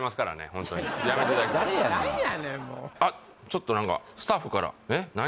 ホントにやめていただきたい何やねんもうあっちょっと何かスタッフからえっ何？